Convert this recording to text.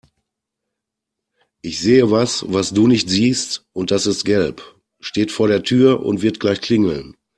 Ich sehe was, was du nicht siehst und das ist gelb, steht vor der Tür und wird gleich klingeln.